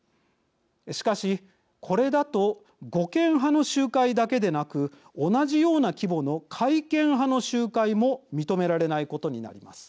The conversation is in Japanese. しかし、これだと護憲派の集会だけでなく同じような規模の改憲派の集会も認められないことになります。